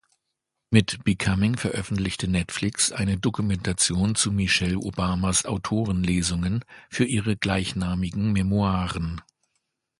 Mit Becoming veröffentlichte Netflix eine Dokumentation zu Michelle Obamas Autorenlesungen für ihre gleichnamigen Memoiren.